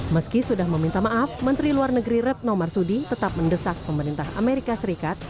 meski sudah meminta maaf menteri luar negeri ratnaw mar sudi tetap mendesak pemerintahan amerika serikat